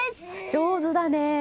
上手だね！